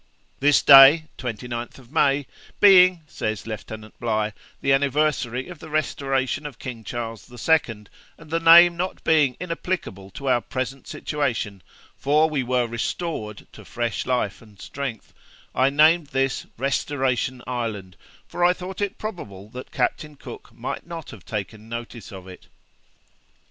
'This day (29th May) being,' says Lieutenant Bligh, 'the anniversary of the restoration of King Charles II, and the name not being inapplicable to our present situation (for we were restored to fresh life and strength), I named this "Restoration Island"; for I thought it probable that Captain Cook might not have taken notice of it.'